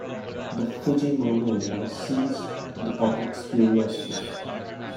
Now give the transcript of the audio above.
The Fiji mermaid now seized the public's curiosity.